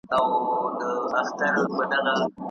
د هرې پېښې تر شا يو منطق شتون لري.